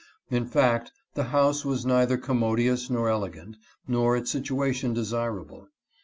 In fact, the house was neither commodious (337) 338 JOHN BROWN. nor elegant, nor its situation desirable.